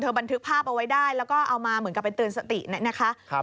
บันทึกภาพเอาไว้ได้แล้วก็เอามาเหมือนกับไปเตือนสตินะคะ